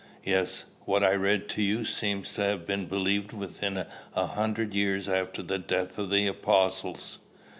"Yes: what I read to you seems to have been believed within a hundred years after the death of the apostles.